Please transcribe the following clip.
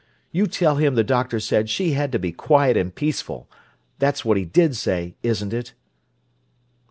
You tell him the doctor said she had to be quiet and peaceful. That's what he did say, isn't it?"